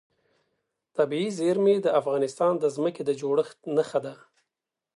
طبیعي زیرمې د افغانستان د ځمکې د جوړښت نښه ده.